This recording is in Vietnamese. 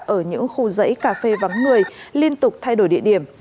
ở những khu dãy cà phê vắng người liên tục thay đổi địa điểm